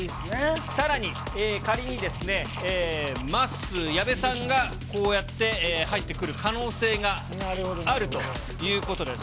さらに、仮にまっすー、矢部さんがこうやって入ってくる可能性があるということです。